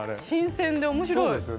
新鮮で面白い。